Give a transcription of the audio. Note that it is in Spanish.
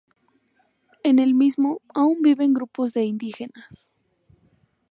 En el mismo, aún viven grupos de indígenas.